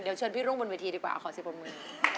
เดี๋ยวเชิญพี่รุ่งบนเวทีดีกว่าขอสิบบนมือ